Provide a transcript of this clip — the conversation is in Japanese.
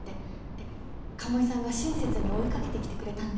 で鴨井さんが親切に追いかけてきてくれたんで。